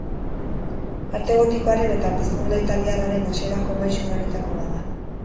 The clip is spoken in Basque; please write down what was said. Arte gotikoaren eta Pizkunde italiarraren hasierako maisu lanetako bat da.